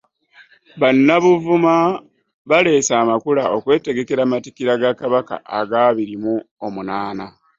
Bannabuvuma baleese amakula okwetegekera amatikkira ga Kabaka ag'abiri mu omunaana.